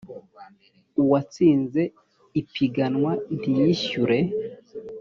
uwatsinze ipiganwa ntiyishyure